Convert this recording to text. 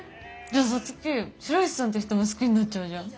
じゃあ皐月白石さんって人も好きになっちゃうじゃん。